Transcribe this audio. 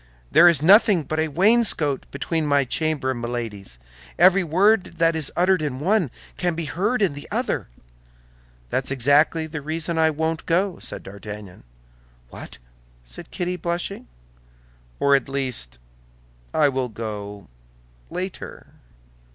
"There is nothing but a wainscot between my chamber and Milady's; every word that is uttered in one can be heard in the other." "That's exactly the reason I won't go," said D'Artagnan. "What!" said Kitty, blushing. "Or, at least, I will go—later."